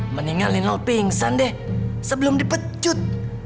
mendingan linol pingsan deh sebelum dipecut